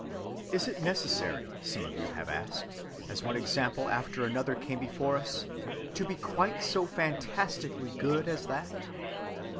Is it necessary, some of you have asked, as one example after another came before us, to be quite so fantastically good as that?